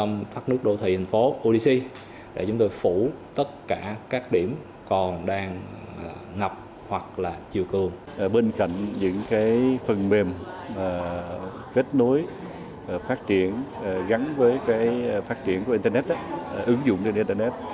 gắn với phát triển của internet ứng dụng trên internet